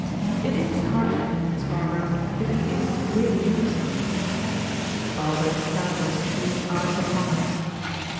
"It is hard for him, Miss Barbara, if he is really innocent." Barbara turned her streaming eyes upon her.